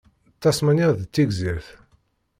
Tasmanya d tigzrit.